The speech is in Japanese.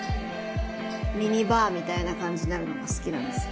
ミニバーみたいな感じになるのが好きなんです。